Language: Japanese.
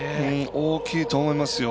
大きいと思いますよ。